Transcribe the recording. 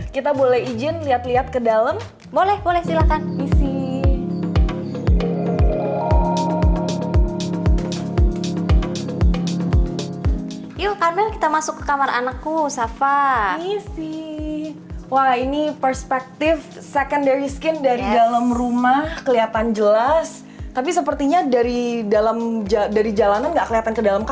kita boleh izin lihat lihat ke dalam